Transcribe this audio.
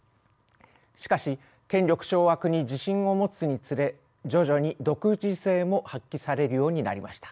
しかし権力掌握に自信を持つにつれ徐々に独自性も発揮されるようになりました。